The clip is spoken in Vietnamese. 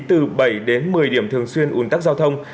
từ bảy đến một mươi điểm thường xuyên un tắc giao thông